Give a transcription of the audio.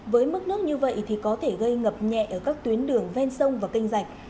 với mức nước như vậy thì có thể gây ngập nhẹ ở các tuyến đường ven sông và canh rạch